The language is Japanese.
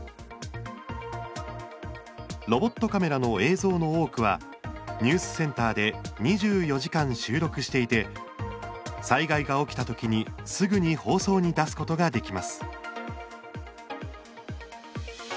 ロボットカメラの映像の多くはニュースセンターで２４時間収録していて災害が起きたときにすぐに放送に出すことができます。